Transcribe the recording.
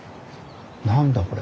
何だこれ。